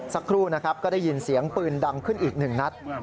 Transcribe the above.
สักครู่ก็ได้ยินเสียงปืนดังขึ้นอีก๑นัด